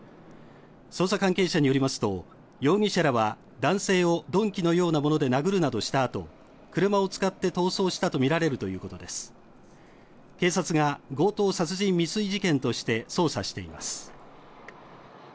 捜査関係者によりますと容疑者らは男性を鈍器のようなもので殴るなどしたあと車を使って逃走したと見られるということです警察が強盗殺人未遂事件として捜査しています